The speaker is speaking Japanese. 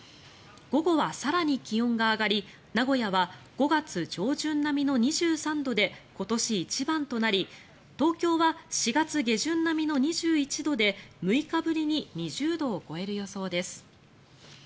午後は更に気温が上がり名古屋は５月上旬並みの２３度で今年一番となり東京は４月下旬並みの２１度で６日ぶりに２０度を超える予想です。